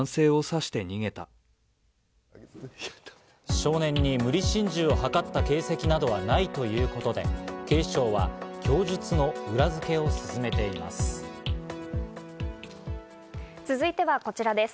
少年に無理心中を図った形跡などはないということで、警視庁は供述の裏付けを進めています。